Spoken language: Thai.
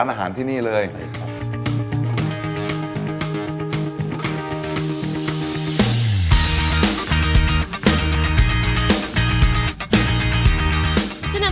ใช่ครับ